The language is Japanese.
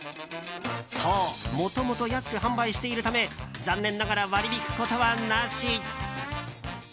もともと安く販売しているため残念ながら割り引くことはなし。